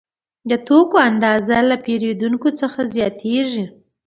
د توکو اندازه له پیرودونکو څخه زیاتېږي